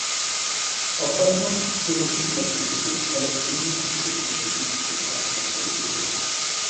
ئابباسنىڭ كېڭىشىش مەسىلىسى پەلەستىننىڭ ئىچكى قىسمىدىكى كۈچلۈك قارشىلىققا ئۇچرىدى.